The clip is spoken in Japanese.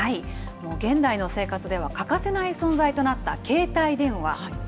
現代の生活では欠かせない存在となった携帯電話。